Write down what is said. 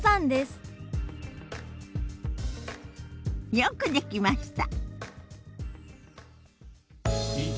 よくできました。